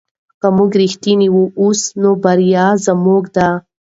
که موږ رښتیني اوسو نو بریا زموږ ده.